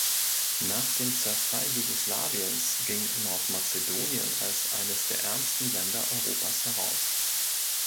Nach dem Zerfall Jugoslawiens ging Nordmazedonien als eines der ärmsten Länder Europas heraus.